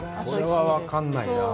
これは分からないな。